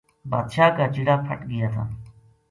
بادشاہ کا چیڑا پھٹ گیا تھا